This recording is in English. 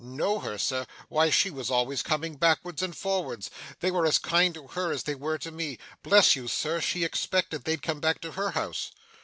'Know her, Sir! why, she was always coming backwards and forwards. They were as kind to her as they were to me. Bless you, Sir, she expected they'd come back to her house.